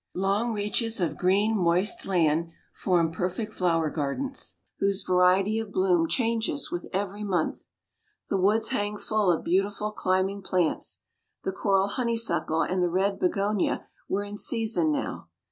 Long reaches of green moist land form perfect flower gardens, whose variety of bloom changes with every month. The woods hang full of beautiful climbing plants. The coral honeysuckle and the red bignonia were in season now.